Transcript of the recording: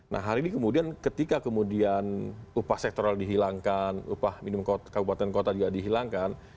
nah hari ini kemudian ketika kemudian upah sektoral dihilangkan upah minimum kabupaten kota juga dihilangkan